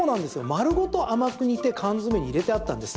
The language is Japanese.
丸ごと甘く煮て缶詰に入れてあったんです。